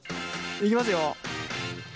いきますよ。